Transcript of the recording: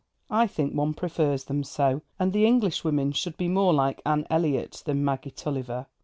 I think one prefers them so, and that Englishwomen should be more like Anne Elliot than Maggie Tulliver.